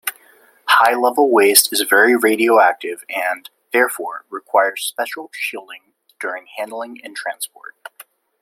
High-level waste is very radioactive and, therefore, requires special shielding during handling and transport.